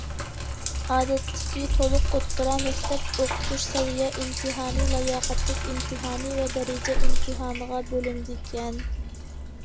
ئادەتتىكى تولۇق ئوتتۇرا مەكتەپ ئوقۇتۇش سەۋىيە ئىمتىھانى لاياقەتلىك ئىمتىھانى ۋە دەرىجە ئىمتىھانىغا بۆلۈنىدىكەن.